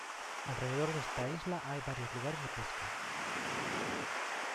Alrededor de esta isla hay varios lugares de pesca.